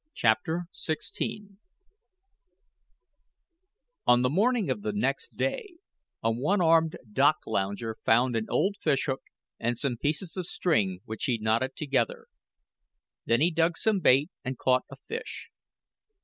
CHAPTER XVI On the morning of the next day, a one armed dock lounger found an old fish hook and some pieces of string which he knotted together; then he dug some bait and caught a fish.